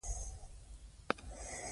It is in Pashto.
هر څوک د زدهکړې مساوي حق لري.